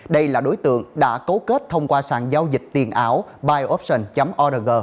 đây là đối tượng đã cấu kết thông qua sàn giao dịch tiền ảo bioption org